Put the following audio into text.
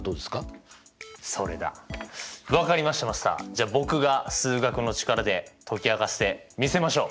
じゃあ僕が数学の力で解き明かしてみせましょう。